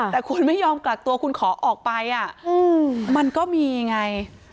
แต่คุณไม่ยอมกักตัวคุณขอออกไปมันก็มีไง